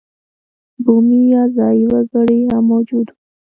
بومي یا ځايي وګړي هم موجود وو.